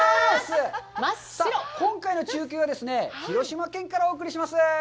今回の中継はですね、広島県からお送りします。